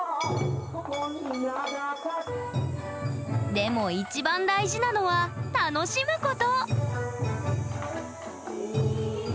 でも一番大事なのは楽しむこと！